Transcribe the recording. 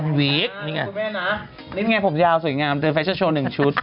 นี่ไงผมยาวสวยงามโดยแฟชั่นโชว์หนึ่งชุด